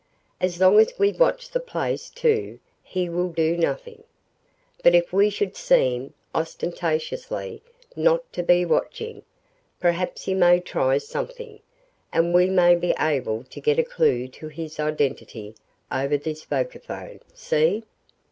"As long as we watch the place, too, he will do nothing. But if we should seem, ostentatiously, not to be watching, perhaps he may try something, and we may be able to get a clue to his identity over this vocaphone. See?"